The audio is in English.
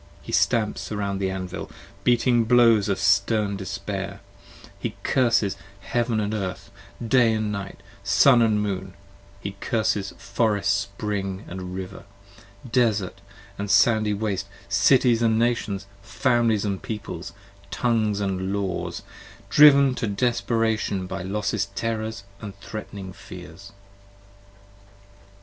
He stamps around the Anvil, beating blows of stern despair, 25 He curses Heaven & Earth, Day & Night & Sun & Moon, He curses Forest Spring & River, Desart & sandy Waste, Cities & Nations, Families & Peoples, Tongues & Laws, Driven to desperation by Los's terrors & threat'ning fears.